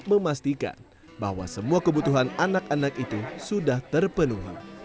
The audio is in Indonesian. memastikan bahwa semua kebutuhan anak anak itu sudah terpenuhi